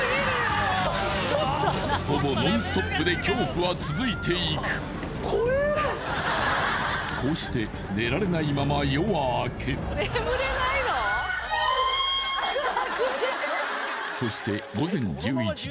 ほぼノンストップで恐怖は続いていくこうして寝られないまま夜は明けそして午前１１時